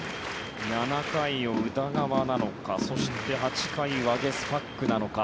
７回を宇田川なのかそして、８回ワゲスパックなのか。